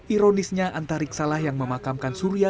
ironisnya anta riksalah yang memakamkan surya